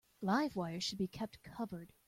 Live wires should be kept covered.